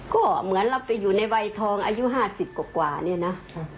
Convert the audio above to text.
ก็เหมือนเราไปอยู่ในวัยทองอายุ๕๐กว่าเนี่ยนะ